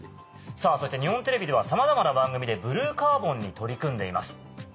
さぁそして日本テレビではさまざまな番組でブルーカーボンに取り組んでいます。